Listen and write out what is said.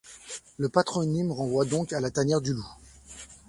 Le patronyme renvoie donc à la tanière du loup.